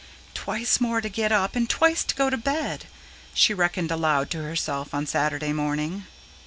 "Twice more to get up, and twice to go to bed," she reckoned aloud to herself on Saturday morning.